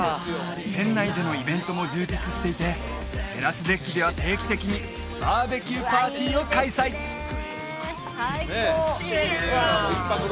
船内でのイベントも充実していてテラスデッキでは定期的にバーベキューパーティーを開催チアーズ！